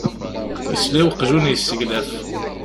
Yesla i uqjun yesseglaf.